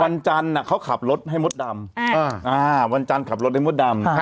วันจันทร์เขาขับรถให้มดดำวันจันทร์ขับรถให้มดดำ